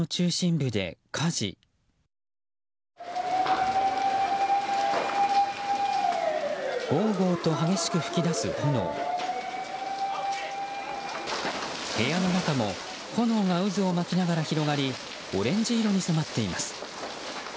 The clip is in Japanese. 部屋の中も炎が渦を巻きながら広がりオレンジ色に染まっています。